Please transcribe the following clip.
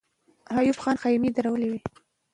ایوب خان خېمې درولې وې.